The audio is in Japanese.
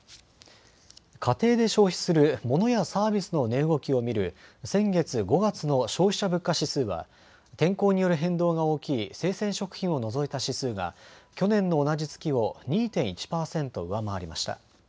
家庭で消費するモノやサービスの値動きを見る先月５月の消費者物価指数は天候による変動が大きい生鮮食品を除いた指数が去年の同じ月を２．１％上回りました。